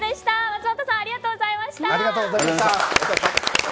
松本さんありがとうございました。